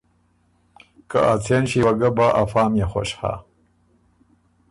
که ”ا څېن ݭيې وه ګۀ بۀ افا ميې خوش هۀ“